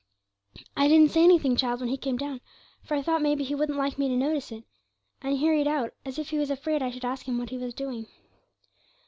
I didn't say anything, child, when he came down, for I thought maybe he wouldn't like me to notice it, and he hurried out, as if he was afraid I should ask him what he was doing.